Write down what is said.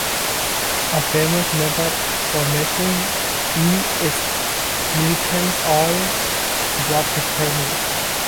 A famous method for measuring "e" is Millikan's oil-drop experiment.